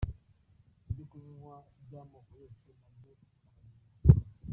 Ibyo kunywa by'amoko yose nabyo urabihasanga.